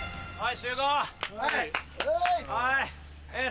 はい。